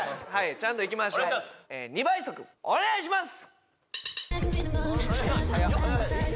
ちゃんといきましょう２倍速お願いします！